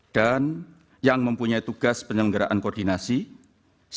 dan yang mempunyai tugas penyelenggaraan koordinator